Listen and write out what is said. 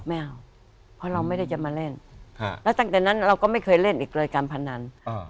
ไม่เอาเพราะเราไม่ได้จะมาเล่นแล้วตั้งแต่นั้นเราก็ไม่เคยเล่นอีกเลยการพนัน